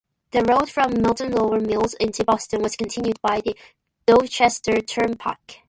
The road from Milton Lower Mills into Boston was continued by the Dorchester Turnpike.